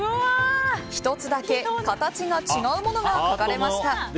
１つだけ形が違うものが描かれました。